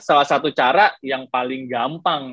salah satu cara yang paling gampang